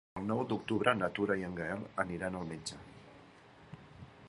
El nou d'octubre na Tura i en Gaël aniran al metge.